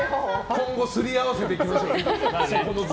今後すり合わせていきましょうか。